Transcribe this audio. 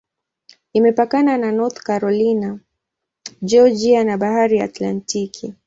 Imepakana na North Carolina, Georgia na Bahari ya Atlantiki.